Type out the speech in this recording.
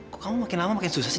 kok kamu makin lama makin susah sih